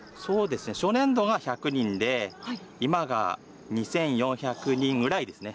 初年度が、１００人で今が２４００人ぐらいですね。